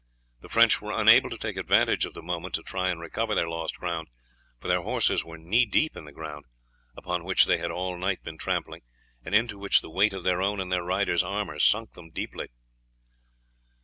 The French were unable to take advantage of the moment to try and recover their lost ground, for the horses were knee deep in the ground, upon which they had all night been trampling, and into which the weight of their own and their riders' armour sunk them deeply.